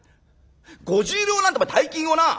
５０両なんてお前大金をな